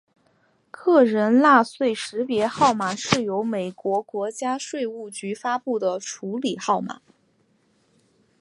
个人纳税识别号码是由美国国家税务局发布的处理号码。